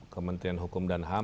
kementerian hukum dan ham